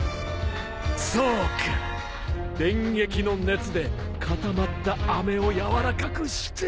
そうか電撃の熱で固まったあめを軟らかくして。